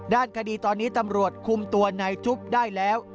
ด้านคดีตอนนี้ตำรวจคุมตัวนายจุ๊บได้แล้ว